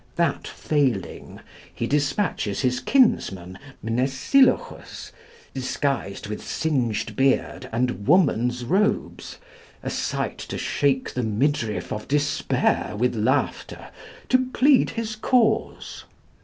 That failing, he dispatches his kinsman Mnesilochus, disguised with singed beard and woman's robes, a sight to shake the midriff of despair with laughter, to plead his cause.